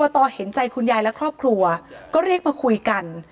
ต่อเห็นใจคุณยายและครอบครัวก็เรียกมาคุยกัน